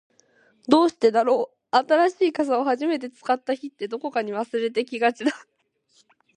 どうしてだろう、新しい傘を初めて使った日って、どこかに忘れてきがちだ。